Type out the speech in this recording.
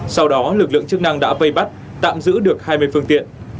sau đó lực lượng chức năng đã vây bắt tạm giữ được hai mươi phương tiện